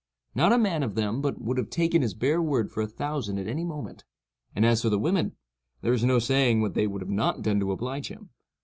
Not a man of them but would have taken his bare word for a thousand at any moment; and as for the women, there is no saying what they would not have done to oblige him.